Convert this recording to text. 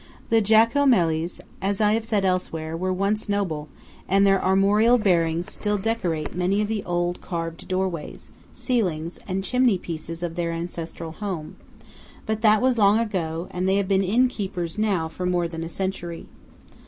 The Giacomellis, as I have said elsewhere, were once noble, and their armorial bearings still decorate many of the old carved doorways, ceilings, and chimney pieces of their ancestral home; but that was long ago, and they have been innkeepers now for more than a century.